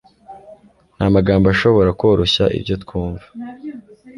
nta magambo ashobora koroshya ibyo twumva